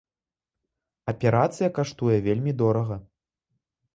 Аперацыя каштуе вельмі дорага.